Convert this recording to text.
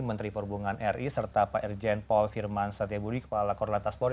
menteri perhubungan ri serta pak irjen paul firman satya budi kepala korlantas polri